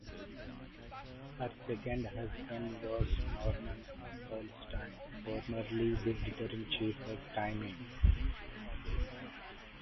Her second husband was Norman Pearlstine, formerly the editor in chief of Time In.